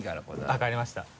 分かりました。